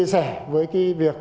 và chia sẻ với cái việc